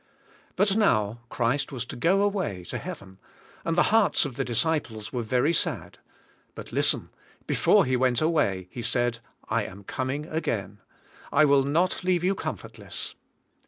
But now, Christ was to g o away to heaven and the hearts of the disciples were very sad, but listen, before He went away He said, ' 'I am coming ag ain. "' 'I will not leave j^ou comfortless.